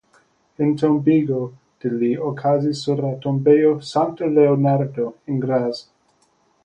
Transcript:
Entombigo de li okazis sur la tombejo Sankta Leonardo en Graz.